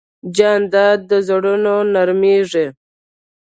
جانداد د زړونو نرمیږي.